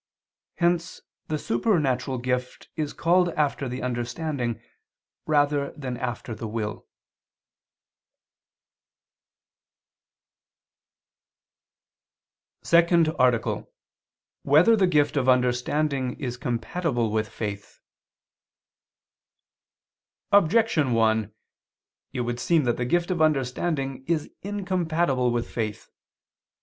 Hence the supernatural gift is called after the understanding rather than after the will. _______________________ SECOND ARTICLE [II II, Q. 8, Art. 2] Whether the Gift of Understanding Is Compatible with Faith? Objection 1: It would seem that the gift of understanding is incompatible with faith.